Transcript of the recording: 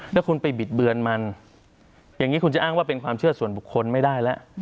แล้วคุณไปบิดเบือนมันอย่างนี้คุณจะอ้างว่าเป็นความเชื่อส่วนบุคคลไม่ได้แล้ว